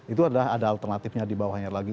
itu adalah ada alternatifnya dibawahnya lagi